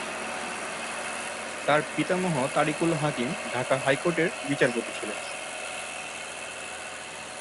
তার পিতামহ তারিক উল হাকিম, ঢাকার হাইকোর্টের বিচারপতি ছিলেন।